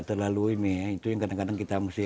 terlalu ini ya itu yang kadang kadang kita mesti